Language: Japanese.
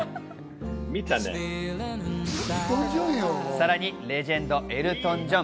さらにレジェンド、エルトン・ジョン。